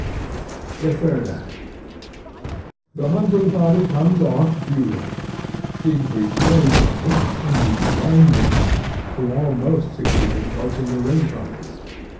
The Third Act The hunting party comes off duly. Siegfried strays from it and meets the Rhine maidens, who almost succeed in coaxing the ring from him.